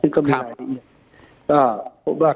ครับ